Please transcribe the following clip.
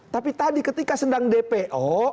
tapi tadi ketika sedang dpo